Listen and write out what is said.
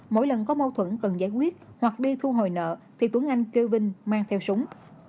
mỗi lần có mâu thuẫn cần giải quyết hoặc đi thu hồi nợ thì tuấn anh kêu vinh mang theo súng